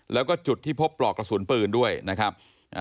แล้วก็จุดที่พบปลอกกระสุนปืนด้วยนะครับ